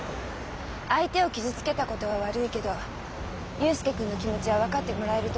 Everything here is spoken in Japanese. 相手を傷つけたことは悪いけど祐介君の気持ちは分かってもらえると思うわ。